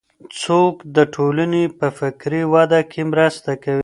څوک د ټولني په فکري وده کي مرسته کوي؟